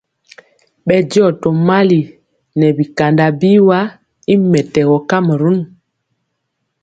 Bɛndiɔ tomali nɛ bikanda biwa y mɛtɛgɔ kamarun.